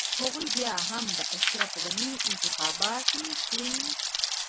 هغوی بيا هم د اشرف غني انتخاباتي ټيم.